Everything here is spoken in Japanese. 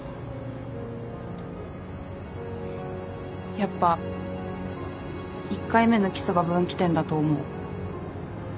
やっぱ１回目のキスが分岐点だと思う。